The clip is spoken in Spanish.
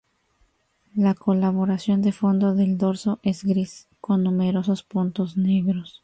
La coloración de fondo del dorso es gris con numerosos puntos negros.